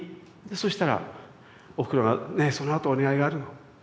そしたらおふくろが「ねえそのあとお願いがあるの」。